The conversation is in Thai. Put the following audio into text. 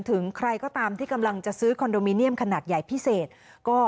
ถึงใครก็ตามที่กำลังจะซื้อคอนโดมิเนียมขนาดใหญ่พิเศษก็